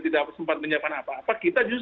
tidak sempat menyiapkan apa apa kita justru